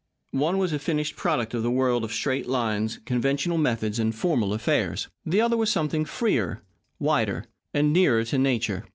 One was a finished product of the world of straight lines, conventional methods, and formal affairs. The other was something freer, wider, and nearer to nature.